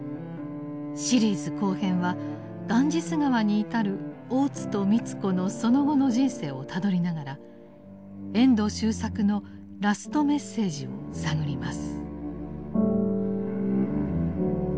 シリーズ後編はガンジス河に至る大津と美津子のその後の人生をたどりながら遠藤周作のラストメッセージを探ります。